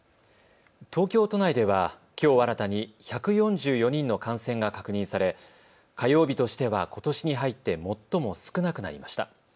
東京都内では、きょう新たに１４４人の感染が確認され火曜日としては、ことしに入って最も少なくなりました。